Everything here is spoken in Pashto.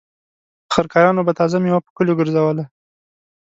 خر کارانو به تازه مېوه په کليو ګرځوله.